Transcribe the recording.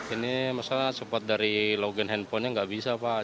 ini masalah support dari login handphonenya nggak bisa pak